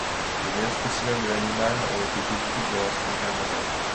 Les meilleurs spécimens de l'animal ont été détruits durant la Seconde Guerre mondiale.